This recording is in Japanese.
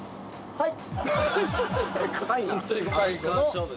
はい！